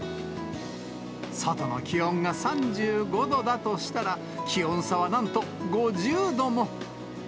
外の気温が３５度だとしたら、気温差はなんと５０度も。